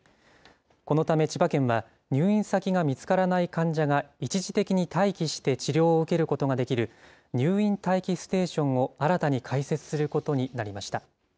このため千葉県は、入院先が見つからない患者が一時的に待機して治療を受けることができる、入院待機ステーションを新たに開設することになりました。